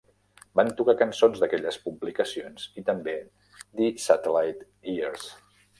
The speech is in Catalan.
Van tocar cançons d"aquelles publicacions i també "The Satellite Years".